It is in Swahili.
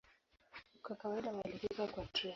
Kwa kawaida walifika kwa treni.